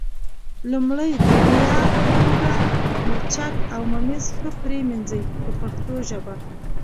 لومړی دڼیا، هوګه، مرچک او ممیز ښه پرېمنځئ په پښتو ژبه.